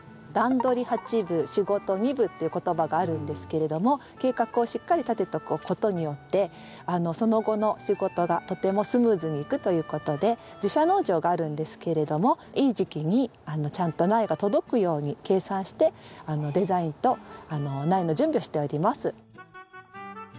「段取り八分仕事二分」っていう言葉があるんですけれども計画をしっかり立てておくことによってその後の仕事がとてもスムーズにいくということで自社農場があるんですけれどもいい時期にちゃんと苗が届くように計算してデザインと苗の準備をしております。